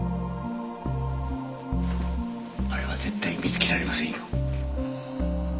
あれは絶対に見つけられませんよ。